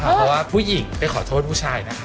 เพราะว่าผู้หญิงไปขอโทษผู้ชายนะคะ